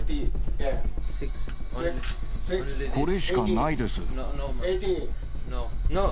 これしかないです。